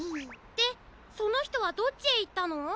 でそのひとはどっちへいったの？